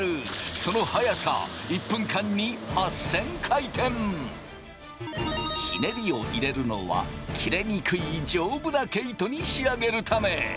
その速さひねりを入れるのは切れにくい丈夫な毛糸に仕上げるため。